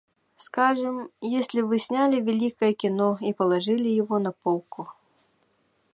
Скажем, если вы сняли великое кино и положили его на полку.